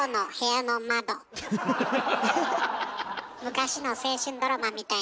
昔の青春ドラマみたいなやつ。